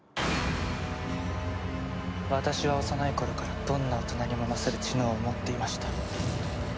私は幼い頃からどんな大人にも勝る知能を持っていました。